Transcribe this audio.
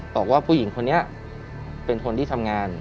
บอกว่าผู้หญิงคนนี้เป็นคนที่ทำงาน